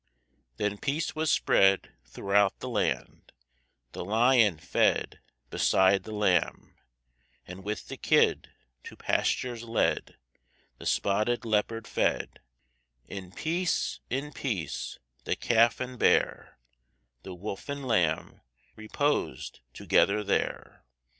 Then peace was spread throughout the land; The lion fed beside the lamb; And with the kid, To pastures led, The spotted leopard fed In peace, in peace The calf and bear, The wolf and lamb reposed together there.